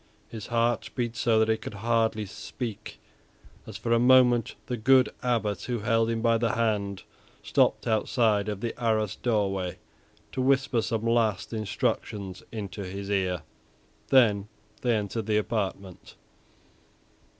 His heart beat so that he could hardly speak as, for a moment, the good Abbot who held him by the hand stopped outside of the arrased doorway to whisper some last instructions into his ear. Then they entered the apartment.